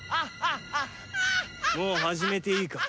もう始めていいか？